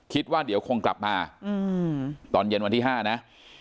คิดว่าเดี๋ยวคงกลับมาตอนเย็นวันที่๕นะ